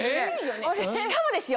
しかもですよ